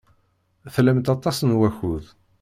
Tlamt aṭas n wakud.